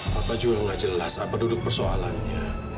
papa juga gak jelas apa duduk persoalannya